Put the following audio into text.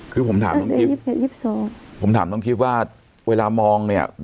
คือผมถามน้องกิฟต์ผมถามน้องกิ๊บว่าเวลามองเนี่ย